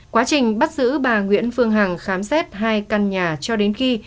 quá trình bắt giữ bà nguyễn phương hằng khám xét hai căn nhà cho đến khi